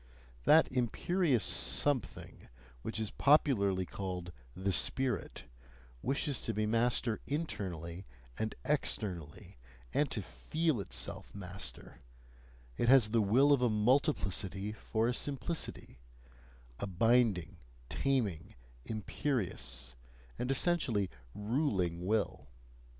That imperious something which is popularly called "the spirit," wishes to be master internally and externally, and to feel itself master; it has the will of a multiplicity for a simplicity, a binding, taming, imperious, and essentially ruling will.